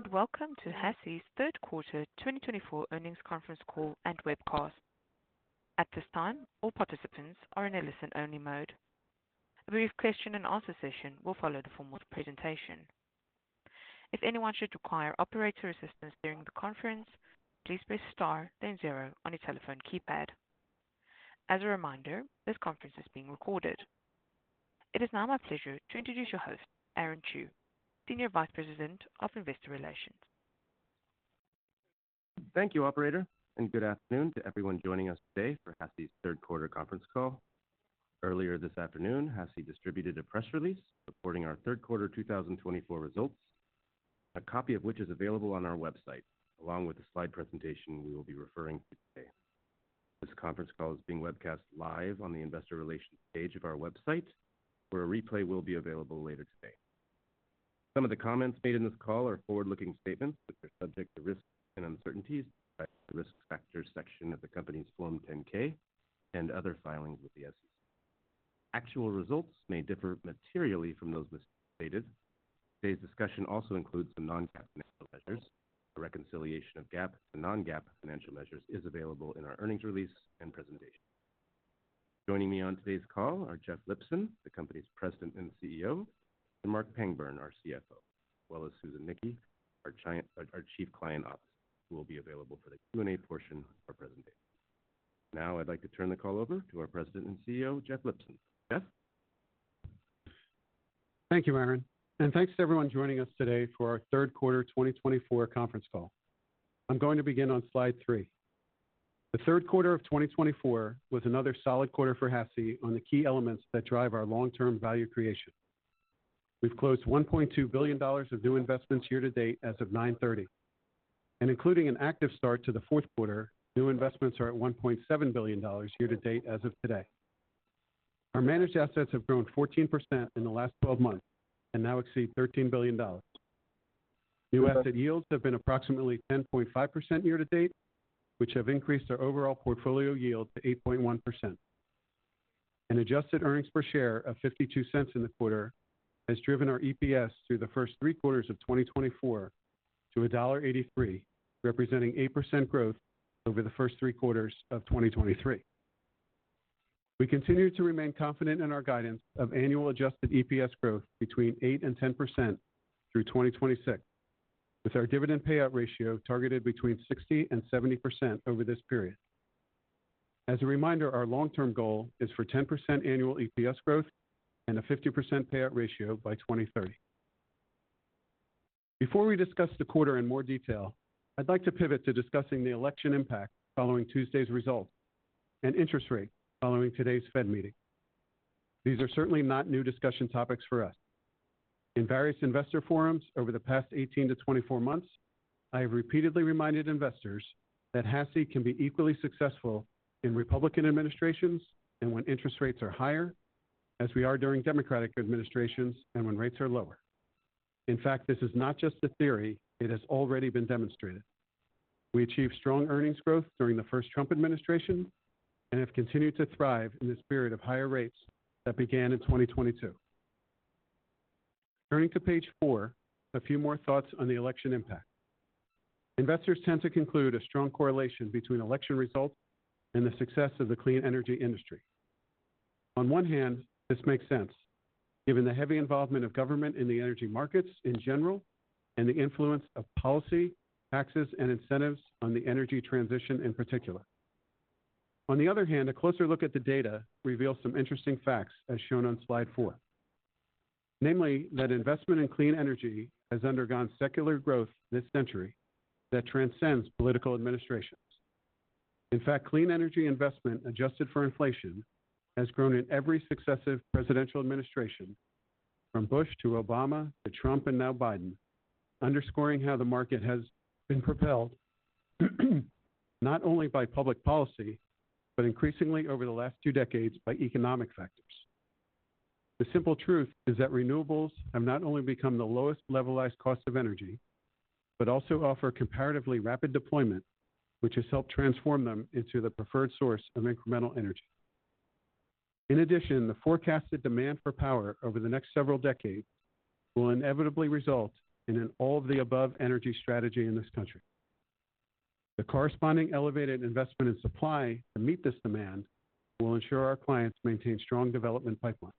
Thanks, and welcome to HA Sustainable Infrastructure Capital's Q3 2024 Earnings Conference Call and Webcast. At this time, all participants are in a listen-only mode. A brief question-and-answer session will follow the form of presentation. If anyone should require operator assistance during the conference, please press star, then zero on your telephone keypad. As a reminder, this conference is being recorded. It is now my pleasure to introduce your host, Aaron Chew, Senior Vice President of Investor Relations. Thank you, Operator, and good afternoon to everyone joining us today for HA Sustainable Infrastructure Capital's Q3 conference call. Earlier this afternoon, HA Sustainable Infrastructure Capital distributed a press release supporting our Q3 2024 results, a copy of which is available on our website, along with the slide presentation we will be referring to today. This conference call is being webcast live on the Investor Relations page of our website, where a replay will be available later today. Some of the comments made in this call are forward-looking statements that are subject to risks and uncertainties by the risk factors section of the company's Form 10-K and other filings with the SEC. Actual results may differ materially from those stated. Today's discussion also includes the non-GAAP financial measures. A reconciliation of GAAP and non-GAAP financial measures is available in our earnings release and presentation. Joining me on today's call are Jeff Lipson, the company's President and CEO, and Marc Pangburn, our CFO, as well as Susan Nickey, our Chief Client Officer, who will be available for the Q&A portion of our presentation. Now, I'd like to turn the call over to our President and CEO, Jeff Lipson. Jeff? Thank you, Aaron, and thanks to everyone joining us today for our Q3 2024 conference call. I'm going to begin on slide three. The Q3 of 2024 was another solid quarter for HA Sustainable Infrastructure Capital. Jonathan Lewis on the key elements that drive our long-term value creation. We've closed $1.2 billion of new investments year-to-date as of 9/30, and including an active start to the Q4, new investments are at $1.7 billion year-to-date as of today. Our managed assets have grown 14% in the last 12 months and now exceed $13 billion. New asset yields have been approximately 10.5% year-to-date, which have increased our overall portfolio yield to 8.1%. An adjusted earnings per share of $0.52 in the quarter has driven our EPS through the first three quarters of 2024 to $1.83, representing 8% growth over the first three quarters of 2023. We continue to remain confident in our guidance of annual adjusted EPS growth between 8% and 10% through 2026, with our dividend payout ratio targeted between 60% and 70% over this period. As a reminder, our long-term goal is for 10% annual EPS growth and a 50% payout ratio by 2030. Before we discuss the quarter in more detail, I'd like to pivot to discussing the election impact following Tuesday's results and interest rates following today's Fed meeting. These are certainly not new discussion topics for us. In various investor forums over the past 18-24 months, I have repeatedly reminded investors that HA Sustainable Infrastructure Capital Jonathan Lewis can be equally successful in Republican administrations and when interest rates are higher, as we are during Democratic administrations and when rates are lower. In fact, this is not just a theory. It has already been demonstrated. We achieved strong earnings growth during the first Trump administration and have continued to thrive in this period of higher rates that began in 2022. Turning to page four, a few more thoughts on the election impact. Investors tend to conclude a strong correlation between election results and the success of the clean energy industry. On one hand, this makes sense, given the heavy involvement of government in the energy markets in general and the influence of policy, taxes, and incentives on the energy transition in particular. On the other hand, a closer look at the data reveals some interesting facts, as shown on slide four, namely that investment in clean energy has undergone secular growth this century that transcends political administrations. In fact, clean energy investment, adjusted for inflation, has grown in every successive presidential administration, from Bush to Obama to Trump and now Biden, underscoring how the market has been propelled not only by public policy, but increasingly over the last two decades by economic factors. The simple truth is that renewables have not only become the lowest levelized cost of energy, but also offer comparatively rapid deployment, which has helped transform them into the preferred source of incremental energy. In addition, the forecasted demand for power over the next several decades will inevitably result in an all-of-the-above energy strategy in this country. The corresponding elevated investment in supply to meet this demand will ensure our clients maintain strong development pipelines.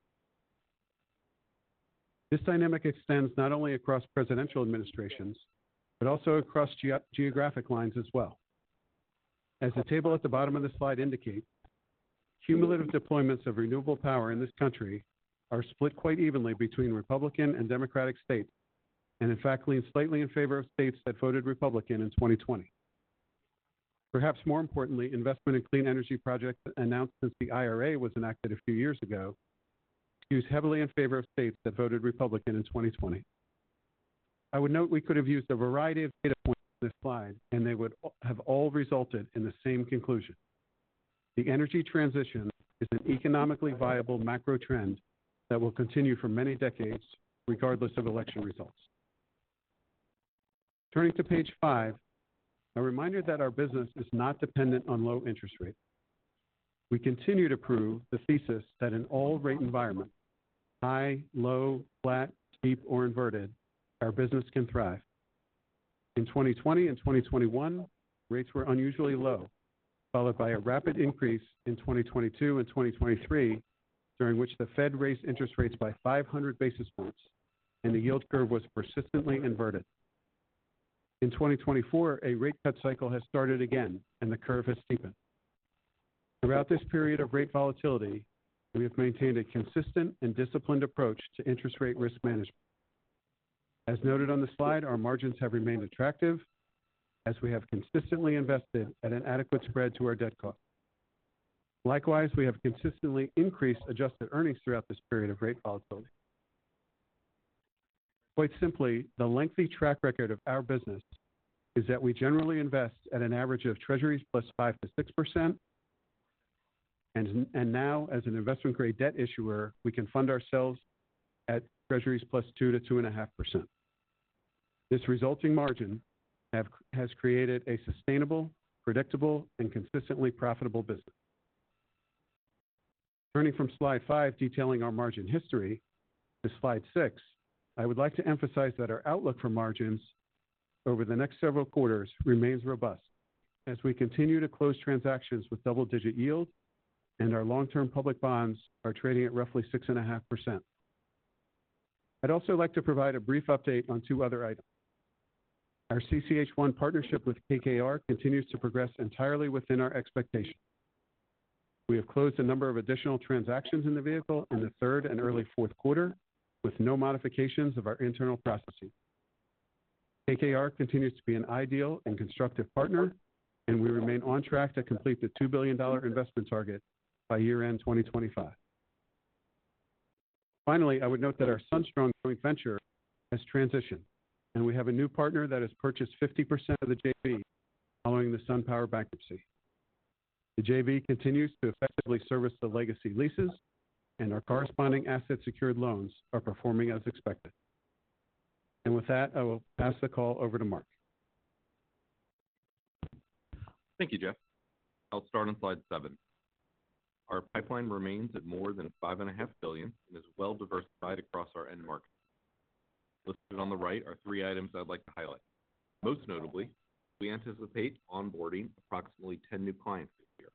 This dynamic extends not only across presidential administrations, but also across geographic lines as well. As the table at the bottom of the slide indicates, cumulative deployments of renewable power in this country are split quite evenly between Republican and Democratic states and, in fact, lean slightly in favor of states that voted Republican in 2020. Perhaps more importantly, investment in clean energy projects announced since the IRA was enacted a few years ago leans heavily in favor of states that voted Republican in 2020. I would note we could have used a variety of data points on this slide, and they would have all resulted in the same conclusion. The energy transition is an economically viable macro trend that will continue for many decades, regardless of election results. Turning to page five, a reminder that our business is not dependent on low interest rates. We continue to prove the thesis that in all rate environments, high, low, flat, steep, or inverted, our business can thrive. In 2020 and 2021, rates were unusually low, followed by a rapid increase in 2022 and 2023, during which the Fed raised interest rates by 500 basis points, and the yield curve was persistently inverted. In 2024, a rate cut cycle has started again, and the curve has steepened. Throughout this period of rate volatility, we have maintained a consistent and disciplined approach to interest rate risk management. As noted on the slide, our margins have remained attractive as we have consistently invested at an adequate spread to our debt cost. Likewise, we have consistently increased adjusted earnings throughout this period of rate volatility. Quite simply, the lengthy track record of our business is that we generally invest at an average of Treasuries plus 5%-6%, and now, as an investment-grade debt issuer, we can fund ourselves at Treasuries plus 2%-2.5%. This resulting margin has created a sustainable, predictable, and consistently profitable business. Turning from slide five, detailing our margin history, to slide six, I would like to emphasize that our outlook for margins over the next several quarters remains robust as we continue to close transactions with double-digit yields, and our long-term public bonds are trading at roughly 6.5%. I'd also like to provide a brief update on two other items. Our CCH1 partnership with KKR continues to progress entirely within our expectations. We have closed a number of additional transactions in the vehicle in the third and early Q4, with no modifications of our internal processing. KKR continues to be an ideal and constructive partner, and we remain on track to complete the $2 billion investment target by year-end 2025. Finally, I would note that our SunStrong joint venture has transitioned, and we have a new partner that has purchased 50% of the JV following the SunPower bankruptcy. The JV continues to effectively service the legacy leases, and our corresponding asset-secured loans are performing as expected, and with that, I will pass the call over to Marc. Thank you, Jeff. I'll start on slide seven. Our pipeline remains at more than $5.5 billion and is well-diversified across our end markets. Listed on the right are three items I'd like to highlight. Most notably, we anticipate onboarding approximately 10 new clients this year.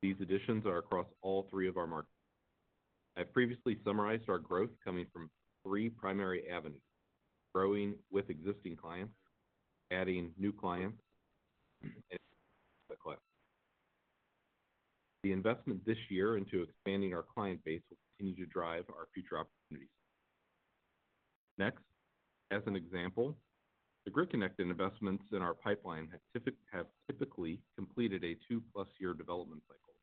These additions are across all three of our markets. I've previously summarized our growth coming from three primary avenues: growing with existing clients, adding new clients, and the class. The investment this year into expanding our client base will continue to drive our future opportunities. Next, as an example, the grid-connected investments in our pipeline have typically completed a two-plus-year development cycle,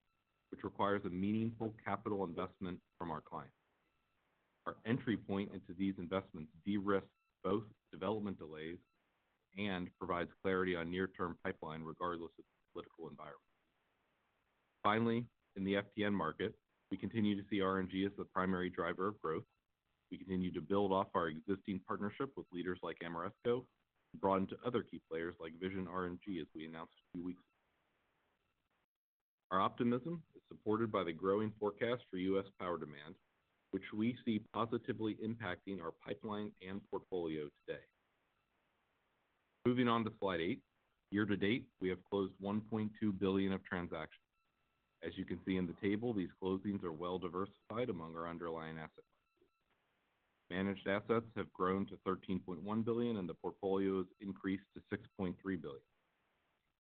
which requires a meaningful capital investment from our clients. Our entry point into these investments de-risk both development delays and provides clarity on near-term pipeline, regardless of the political environment. Finally, in the FTM market, we continue to see RNG as the primary driver of growth. We continue to build off our existing partnership with leaders like Ameresco and broaden to other key players like Vision RNG, as we announced a few weeks ago. Our optimism is supported by the growing forecast for U.S. power demand, which we see positively impacting our pipeline and portfolio today. Moving on to slide eight, year-to-date, we have closed $1.2 billion of transactions. As you can see in the table, these closings are well-diversified among our underlying asset classes. Managed assets have grown to $13.1 billion, and the portfolio has increased to $6.3 billion.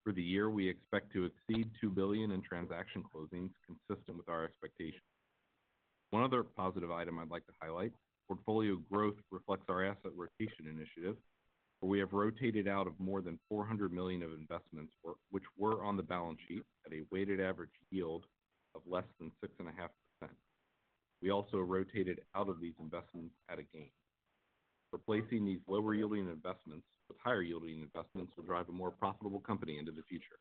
For the year, we expect to exceed $2 billion in transaction closings, consistent with our expectations. One other positive item I'd like to highlight: portfolio growth reflects our asset rotation initiative, where we have rotated out of more than $400 million of investments, which were on the balance sheet, at a weighted average yield of less than 6.5%. We also rotated out of these investments at a gain. Replacing these lower-yielding investments with higher-yielding investments will drive a more profitable company into the future.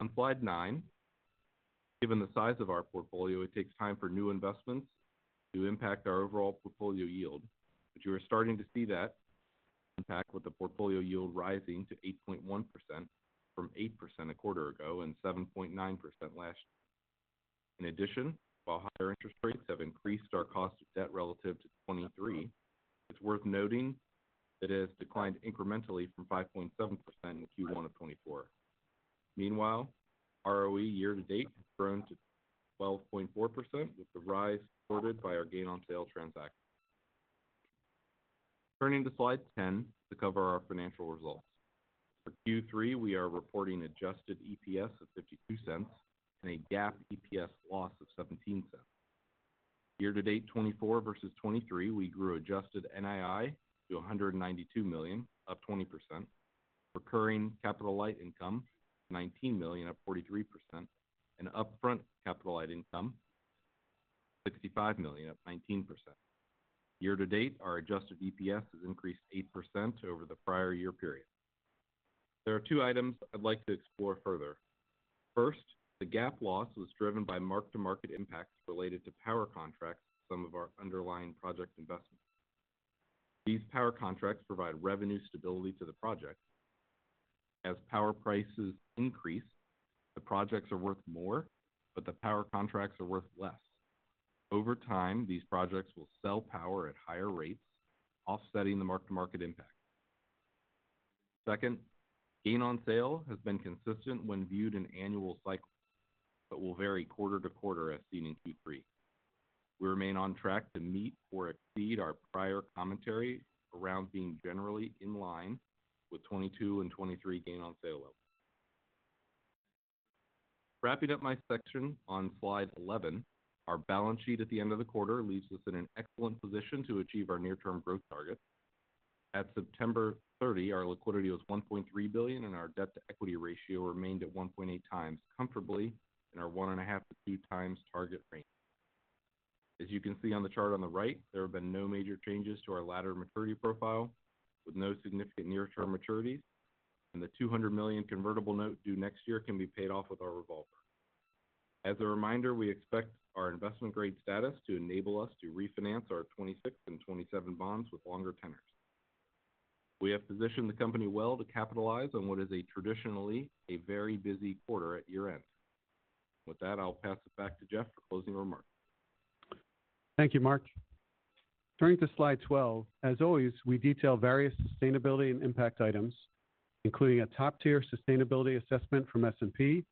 On slide nine, given the size of our portfolio, it takes time for new investments to impact our overall portfolio yield, but you are starting to see that impact with the portfolio yield rising to 8.1% from 8% a quarter ago and 7.9% last year. In addition, while higher interest rates have increased our cost of debt relative to 2023, it's worth noting that it has declined incrementally from 5.7% in Q1 of 2024. Meanwhile, ROE year-to-date has grown to 12.4%, with the rise supported by our gain-on-sale transactions. Turning to slide 10 to cover our financial results. For Q3, we are reporting adjusted EPS of $0.52 and a GAAP EPS loss of $0.17. Year-to-date 2024 versus 2023, we grew adjusted NII to $192 million, up 20%, recurring capital light income to $19 million, up 43%, and upfront capital light income to $65 million, up 19%. Year-to-date, our adjusted EPS has increased 8% over the prior year period. There are two items I'd like to explore further. First, the GAAP loss was driven by mark-to-market impacts related to power contracts at some of our underlying project investments. These power contracts provide revenue stability to the projects. As power prices increase, the projects are worth more, but the power contracts are worth less. Over time, these projects will sell power at higher rates, offsetting the mark-to-market impact. Second, gain-on-sale has been consistent when viewed in annual cycles, but will vary quarter-to-quarter, as seen in Q3. We remain on track to meet or exceed our prior commentary around being generally in line with 2022 and 2023 gain-on-sale levels. Wrapping up my section on slide 11, our balance sheet at the end of the quarter leaves us in an excellent position to achieve our near-term growth target. At 30 September, our liquidity was $1.3 billion, and our debt-to-equity ratio remained at 1.8 times, comfortably in our 1.5-2 times target range. As you can see on the chart on the right, there have been no major changes to our ladder maturity profile, with no significant near-term maturities, and the $200 million convertible note due next year can be paid off with our revolver. As a reminder, we expect our investment-grade status to enable us to refinance our 2026 and 2027 bonds with longer tenors. We have positioned the company well to capitalize on what is traditionally a very busy quarter at year-end. With that, I'll pass it back to Jeff for closing remarks. Thank you, Mark. Turning to slide 12, as always, we detail various sustainability and impact items, including a top-tier sustainability assessment from S&P,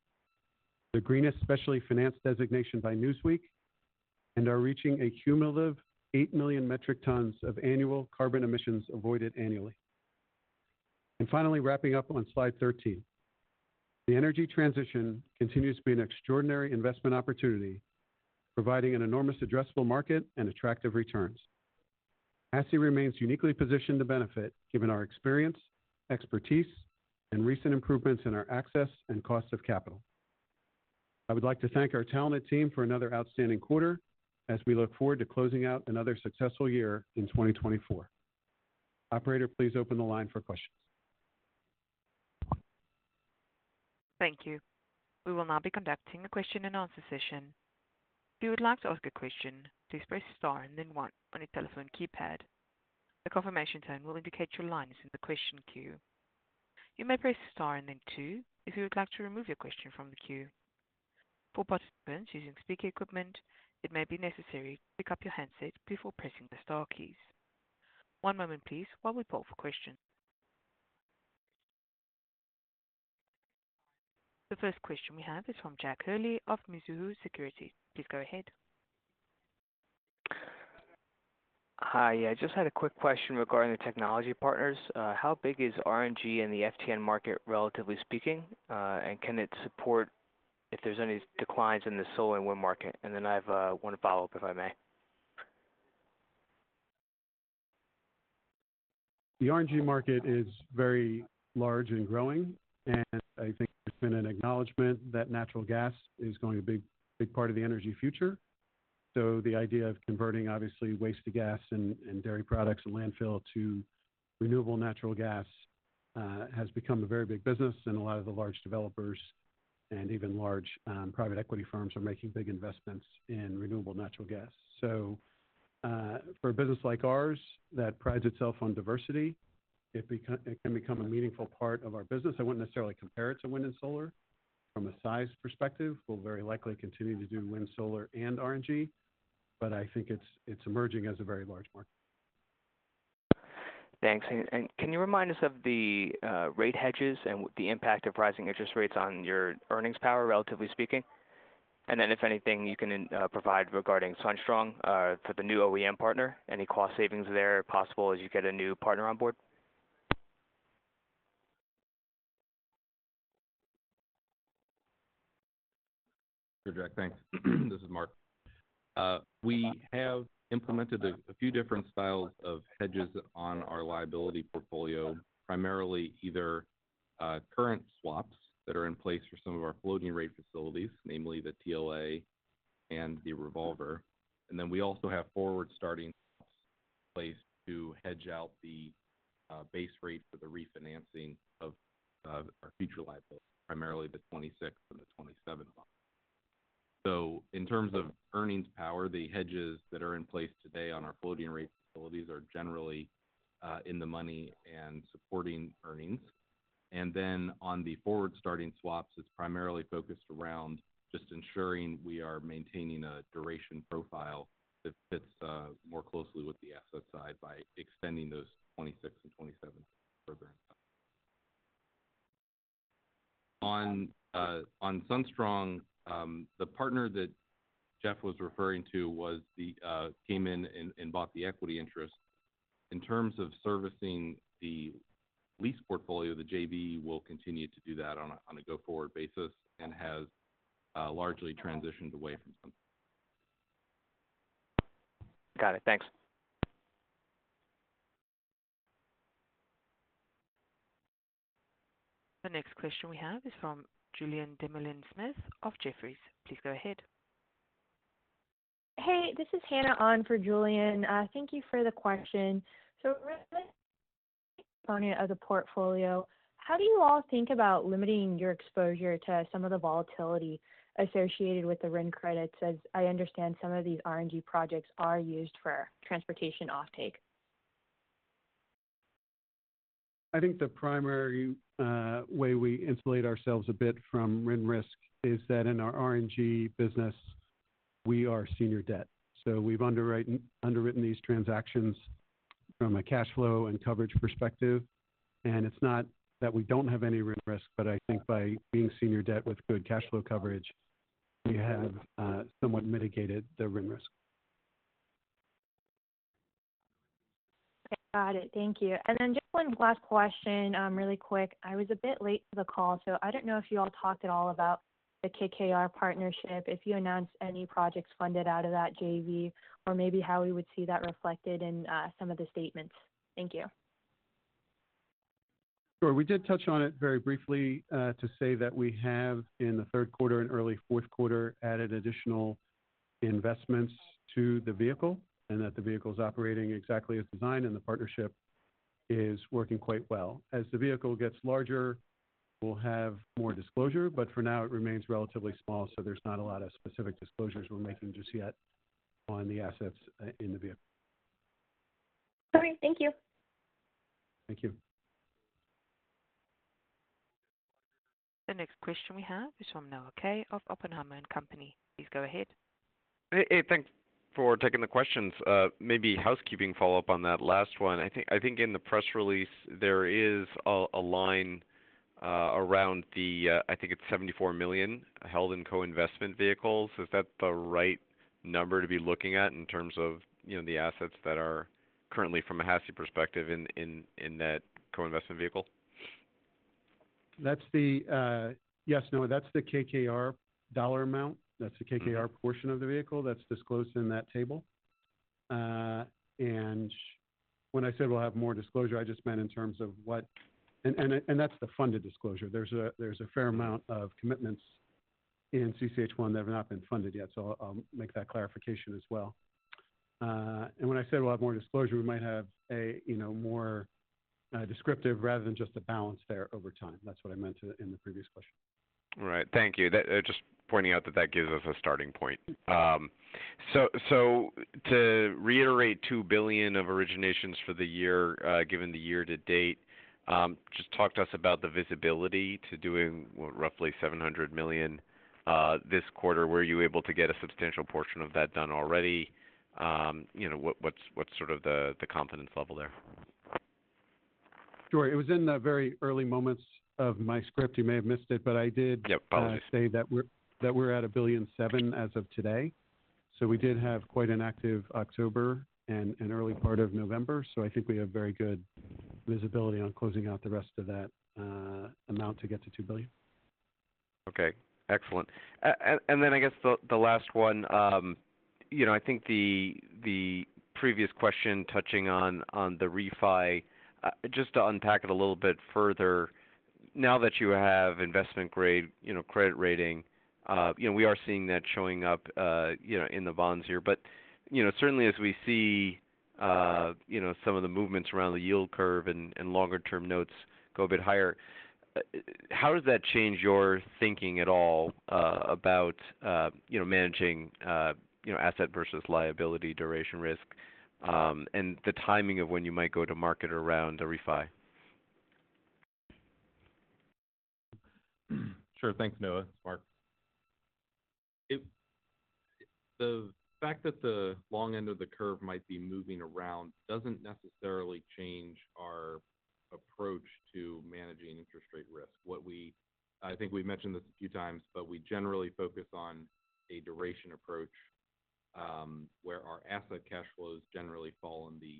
the Greenest Specialty Finance designation by Newsweek, and are reaching a cumulative eight million metric tons of annual carbon emissions avoided annually. And finally, wrapping up on slide 13, the energy transition continues to be an extraordinary investment opportunity, providing an enormous addressable market and attractive returns. HASI remains uniquely positioned to benefit, given our experience, expertise, and recent improvements in our access and cost of capital. I would like to thank our talented team for another outstanding quarter as we look forward to closing out another successful year in 2024. Operator, please open the line for questions. Thank you. We will now be conducting a question-and-answer session. If you would like to ask a question, please press star and then one on your telephone keypad. The confirmation tone will indicate your line is in the question queue. You may press star and then two if you would like to remove your question from the queue. For participants using speaker equipment, it may be necessary to pick up your handset before pressing the star keys. One moment, please, while we pull up a question. The first question we have is from Jack Hurley of Mizuho Securities. Please go ahead. Hi. I just had a quick question regarding the technology partners. How big is RNG in the FTM market, relatively speaking, and can it support if there's any declines in the solar and wind market? And then I have one follow-up, if I may. The R&G market is very large and growing, and I think there's been an acknowledgment that natural gas is going to be a big part of the energy future. So the idea of converting, obviously, waste to gas and dairy products and landfill to renewable natural gas has become a very big business, and a lot of the large developers and even large private equity firms are making big investments in renewable natural gas. So for a business like ours that prides itself on diversity, it can become a meaningful part of our business. I wouldn't necessarily compare it to wind and solar. From a size perspective, we'll very likely continue to do wind, solar, and R&G, but I think it's emerging as a very large market. Thanks. And can you remind us of the rate hedges and the impact of rising interest rates on your earnings power, relatively speaking? And then, if anything, you can provide regarding SunStrong for the new OEM partner, any cost savings there possible as you get a new partner on board? Sure, Jack. Thanks. This is Marc. We have implemented a few different styles of hedges on our liability portfolio, primarily either current swaps that are in place for some of our floating rate facilities, namely the TLA and the revolver, and then we also have forward-starting swaps in place to hedge out the base rate for the refinancing of our future liabilities, primarily the 2026 and the 2027 bonds, so in terms of earnings power, the hedges that are in place today on our floating rate facilities are generally in the money and supporting earnings, and then on the forward-starting swaps, it's primarily focused around just ensuring we are maintaining a duration profile that fits more closely with the asset side by extending those 2026 and 2027 programs. On SunStrong, the partner that Jeff was referring to came in and bought the equity interest. In terms of servicing the lease portfolio, the JV will continue to do that on a go-forward basis and has largely transitioned away from SunStrong. Got it. Thanks. The next question we have is from Julien Dumoulin-Smith of Jefferies. Please go ahead. Hey, this is Hannah on for Julien. Thank you for the question. So limiting the exposure of the portfolio, how do you all think about limiting your exposure to some of the volatility associated with the RIN credits as I understand some of these R&G projects are used for transportation off-take? I think the primary way we insulate ourselves a bit from RIN risk is that in our R&G business, we are senior debt. So we've underwritten these transactions from a cash flow and coverage perspective. And it's not that we don't have any wind risk, but I think by being senior debt with good cash flow coverage, we have somewhat mitigated the wind risk. Okay. Got it. Thank you. And then just one last question, really quick. I was a bit late to the call, so I don't know if you all talked at all about the KKR partnership, if you announced any projects funded out of that JV, or maybe how we would see that reflected in some of the statements? Thank you. Sure. We did touch on it very briefly to say that we have, in the Q3 and early Q4, added additional investments to the vehicle and that the vehicle is operating exactly as designed, and the partnership is working quite well. As the vehicle gets larger, we'll have more disclosure, but for now, it remains relatively small, so there's not a lot of specific disclosures we're making just yet on the assets in the vehicle. All right. Thank you. Thank you. The next question we have is from Noah Kaye of Oppenheimer & Co. Please go ahead. Hey, thanks for taking the questions. Maybe housekeeping follow-up on that last one. I think in the press release, there is a line around the, I think it's $74 million held in co-investment vehicles. Is that the right number to be looking at in terms of the assets that are currently, from a HASI perspective, in that co-investment vehicle? Yes, No, that's the KKR dollar amount. That's the KKR portion of the vehicle that's disclosed in that table. And when I said we'll have more disclosure, I just meant in terms of what, and that's the funded disclosure. There's a fair amount of commitments in CCH-1 that have not been funded yet, so I'll make that clarification as well. And when I said we'll have more disclosure, we might have a more descriptive rather than just a balance there over time. That's what I meant in the previous question. All right. Thank you. Just pointing out that that gives us a starting point. So to reiterate $2 billion of originations for the year, given the year-to-date, just talk to us about the visibility to doing roughly $700 million this quarter. Were you able to get a substantial portion of that done already? What's sort of the confidence level there? Sure. It was in the very early moments of my script. You may have missed it, but I did. Yep. Apologies. Say that we're at $1.7 billion as of today. So we did have quite an active October and early part of November, so I think we have very good visibility on closing out the rest of that amount to get to $2 billion. Okay. Excellent. And then I guess the last one, I think the previous question touching on the refi, just to unpack it a little bit further, now that you have investment-grade credit rating, we are seeing that showing up in the bonds here. But certainly, as we see some of the movements around the yield curve and longer-term notes go a bit higher, how does that change your thinking at all about managing asset versus liability duration risk and the timing of when you might go to market around the refi? Sure. Thanks, Noah. Marc. The fact that the long end of the curve might be moving around doesn't necessarily change our approach to managing interest rate risk. I think we've mentioned this a few times, but we generally focus on a duration approach where our asset cash flows generally fall in the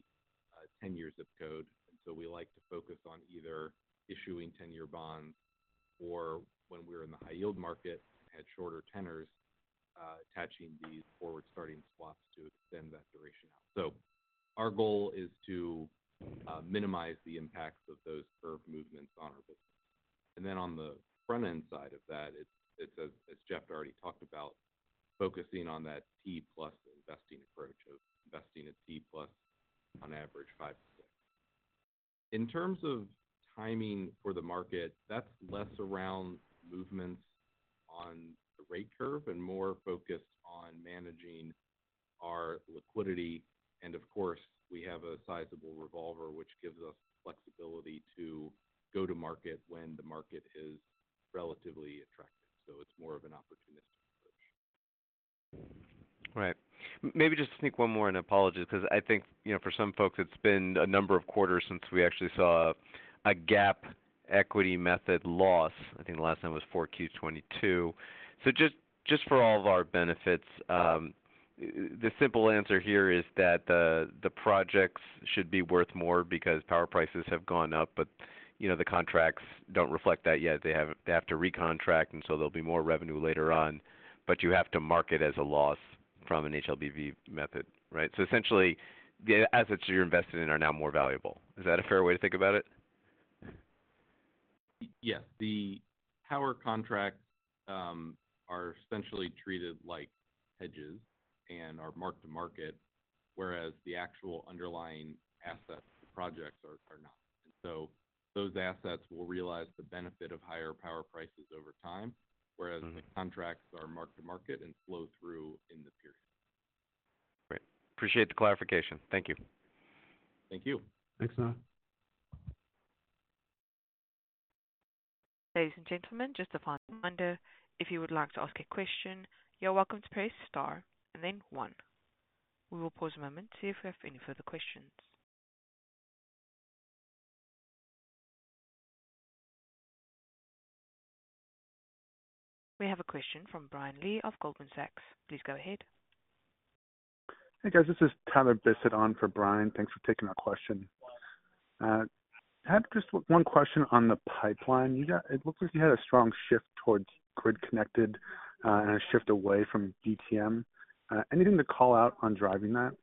10-year zip code. And so we like to focus on either issuing 10-year bonds or, when we were in the high-yield market and had shorter tenors, attaching these forward-starting swaps to extend that duration out. So our goal is to minimize the impacts of those curve movements on our business. And then on the front-end side of that, it's, as Jeff already talked about, focusing on that T-plus investing approach of investing at T-plus on average five to six. In terms of timing for the market, that's less around movements on the rate curve and more focused on managing our liquidity. And of course, we have a sizable revolver, which gives us flexibility to go to market when the market is relatively attractive. So it's more of an opportunistic approach. All right. Maybe just to sneak one more in, apologies, because I think for some folks, it's been a number of quarters since we actually saw a GAAP equity method loss. I think the last time was Q4 2022. So just for all of our benefits, the simple answer here is that the projects should be worth more because power prices have gone up, but the contracts don't reflect that yet. They have to recontract, and so there'll be more revenue later on. But you have to mark it as a loss from an HLBV method, right? So essentially, the assets you're invested in are now more valuable. Is that a fair way to think about it? Yes. The power contracts are essentially treated like hedges and are marked to market, whereas the actual underlying asset projects are not. And so those assets will realize the benefit of higher power prices over time, whereas the contracts are marked to market and flow through in the period. Great. Appreciate the clarification. Thank you. Thank you. Thanks, Noah. Ladies and gentlemen, just a final reminder. If you would like to ask a question, you're welcome to press star and then one. We will pause a moment to see if we have any further questions. We have a question from Brian Lee of Goldman Sachs. Please go ahead. Hey, guys. This is Tyler Bisset on for Brian. Thanks for taking our question. Had just one question on the pipeline. It looks like you had a strong shift towards grid-connected and a shift away from BTM. Anything to call out on driving that?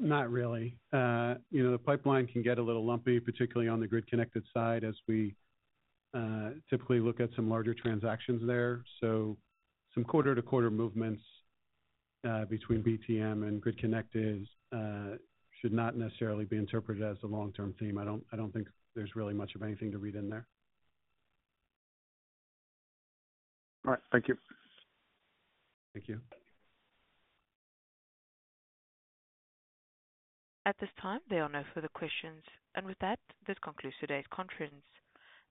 Not really. The pipeline can get a little lumpy, particularly on the grid-connected side, as we typically look at some larger transactions there. So some quarter-to-quarter movements between BTM and grid-connected should not necessarily be interpreted as a long-term theme. I don't think there's really much of anything to read in there. All right. Thank you. Thank you. At this time, there are no further questions. With that, this concludes today's conference.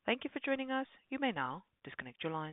Thank you for joining us. You may now disconnect your line.